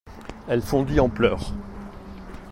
Elle fondit en pleurs.